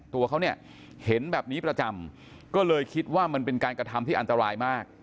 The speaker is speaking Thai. ตัวเขาเนี่ยเห็นแบบนี้ประจำก็เลยคิดว่ามันเป็นการกระทำที่อันตรายมาก